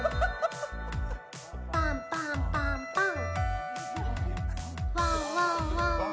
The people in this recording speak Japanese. パンパンパンパン。